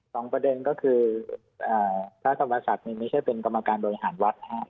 สองประเด็นก็คือพระธรรมศักดิ์นี่ไม่ใช่เป็นกรรมการบริหารวัดนะครับ